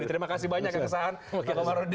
terima kasih banyak ya kesahan pak komarudi